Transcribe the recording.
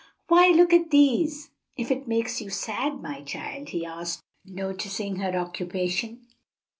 "Why look at these, if it makes you sad, my child?" he asked, noticing her occupation.